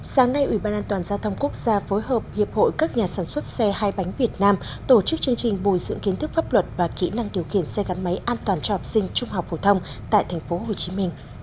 sáng nay ủy ban an toàn giao thông quốc gia phối hợp hiệp hội các nhà sản xuất xe hai bánh việt nam tổ chức chương trình bồi dưỡng kiến thức pháp luật và kỹ năng điều khiển xe gắn máy an toàn cho học sinh trung học phổ thông tại tp hcm